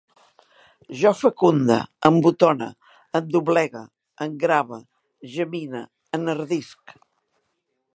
Jo fecunde, embotone, endoblegue, engrave, gemine, enardisc